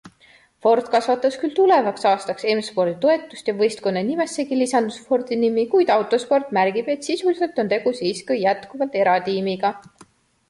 Ford kasvatas küll tulevaks aastaks M-Spordi toetust ja võistkonna nimessegi lisandus Fordi nimi, kuid Autosport märgib, et sisuliselt on tegu siiski jätkuvalt eratiimiga.